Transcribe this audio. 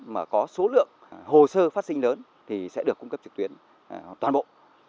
mà có số lượng hồ sơ phát sinh lớn thì sẽ được cung cấp trực tuyến toàn bộ